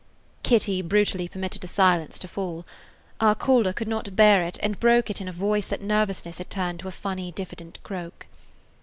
Kitty brutally permitted a silence to fall. Our caller could not bear it, and broke it in a voice that nervousness had turned to a funny, diffident croak.